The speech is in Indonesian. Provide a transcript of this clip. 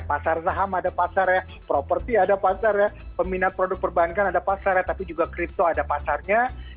pasar saham ada pasar ya properti ada pasar ya peminat produk perbankan ada pasar ya tapi juga kripto ada pasarnya